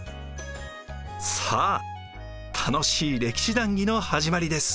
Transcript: さあ楽しい歴史談義の始まりです。